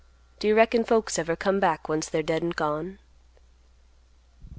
Do you reckon folks ever come back once they're dead and gone?"